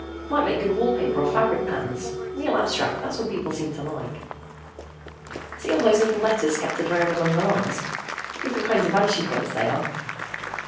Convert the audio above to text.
Might make good wall paper or fabric patterns. Real abstract ... that's what people seem to like. See all those little letters scattered around among the lines? Different kinds of vanishing points, they are.